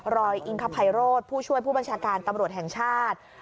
องอิงคภัยโรธผู้ช่วยผู้บัญชาการตำรวจแห่งชาติ